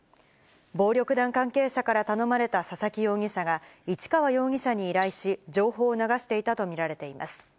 暴力団関係者から頼まれた佐々木容疑者が市川容疑者に依頼し、情報を流していたと見られています。